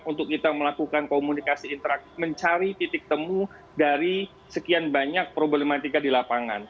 untuk kita melakukan komunikasi interaktif mencari titik temu dari sekian banyak problematika di lapangan